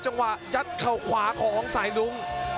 จัดเข้าขวาของใส่รุ้ง